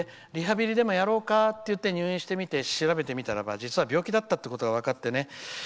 リハビリでもやろうかって入院したのに調べてみたらば実は病気だったことが分かってね。